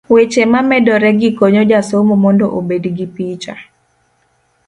weche mamedoregi konyo jasomo mondo obed gi picha